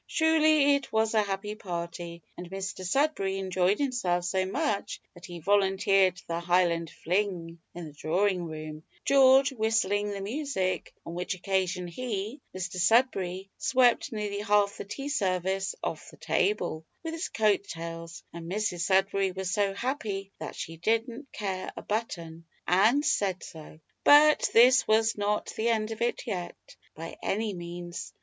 Truly it was a happy party, and Mr Sudberry enjoyed himself so much that he volunteered the Highland fling in the drawing room George whistling the music on which occasion he, (Mr Sudberry), swept nearly half the tea service off the table with his coat tails, and Mrs Sudberry was so happy that she didn't care a button and said so! But this was not the end of it yet, by any means.